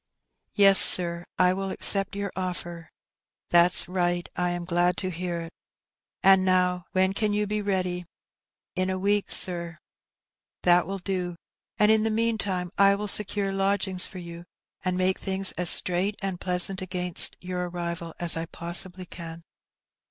"Yes, sir, I will accept your oflfer." " That's right ; I am glad to hear it. And now,^ when can you be ready ?" "In a week, sir." "That will do; and in the meantime I will secure lodg ings for you, and make things as straight and pleasant against your arrival as I possibly can."